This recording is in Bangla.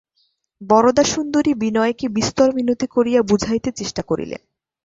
বরদাসুন্দরী বিনয়কে বিস্তর মিনতি করিয়া বুঝাইতে চেষ্টা করিলেন।